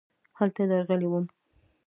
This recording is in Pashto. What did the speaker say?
هلته درغلی وم .